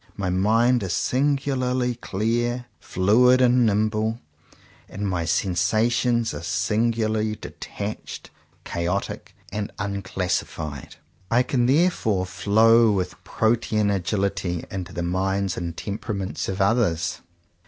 My mind is singu larly clear, fluid, and nimble; and my sensa tions are singularly detached, chaotic, and unclassified. I can therefore flow with 23 CONFESSIONS OF TWO BROTHERS Protean agility into the minds and tem peraments of Others.